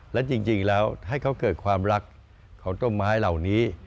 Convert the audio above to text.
และจริงแล้วให้เขาเกิดความรักของต้นไม้เหล่านี้